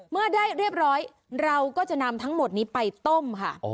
เมื่อได้เรียบร้อยเราก็จะนำทั้งหมดนี้ไปต้มค่ะ